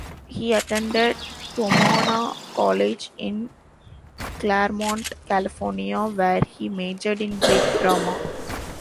He attended Pomona College in Claremont, California, where he majored in Greek drama.